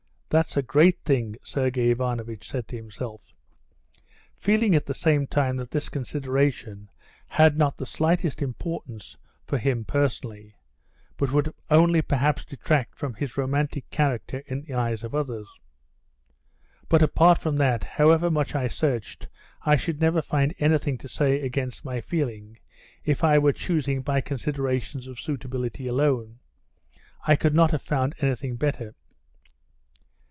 That's a great thing," Sergey Ivanovitch said to himself, feeling at the same time that this consideration had not the slightest importance for him personally, but would only perhaps detract from his romantic character in the eyes of others. "But apart from that, however much I searched, I should never find anything to say against my feeling. If I were choosing by considerations of suitability alone, I could not have found anything better."